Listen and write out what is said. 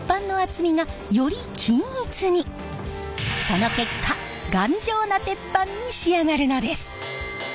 その結果頑丈な鉄板に仕上がるのです！